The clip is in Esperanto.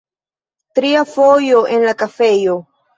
Tria fojo en la kafejo.